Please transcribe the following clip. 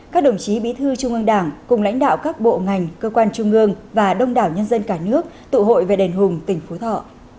các đồng chí bí thư trung ương đảng cùng lãnh đạo các bộ ngành cơ quan trung ương và đông đảo nhân dân cả nước tụ hội về đền hùng tỉnh phú thọ